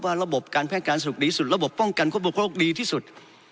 ระบบการแพทย์การสรุปดีสุดระบบป้องกันควบคุมโรคดีที่สุด